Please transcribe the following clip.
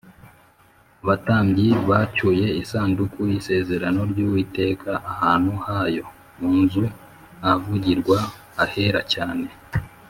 abatambyi bacyuye isanduku y’isezerano ry’uwiteka ahantu hayo, mu nzu ahavugirwa, ahera cyane